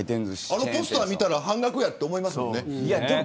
あのポスター見たら半額やと思いますよね。